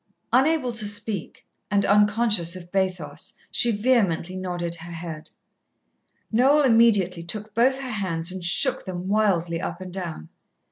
Unable to speak, and unconscious of bathos, she vehemently nodded her head. Noel immediately took both her hands and shook them wildly up and down.